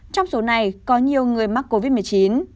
trong số này có nhiều người mắc covid một mươi chín